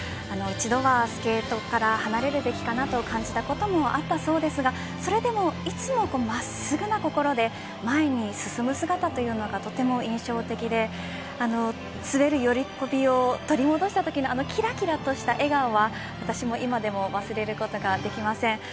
一度はスケートから離れるべきかなと感じたこともあったそうですがそれでも、いつも真っすぐな心で前に進む姿というのがとても印象的で滑る喜びを取り戻したときのあの、きらきらとした笑顔は私は今でも忘れることができません。